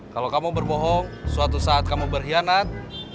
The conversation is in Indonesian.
kalau kamu berbohong suatu saat kamu berkhianat